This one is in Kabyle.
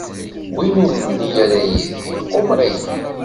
Win ur nelli ara yid-i iqumer-iyi.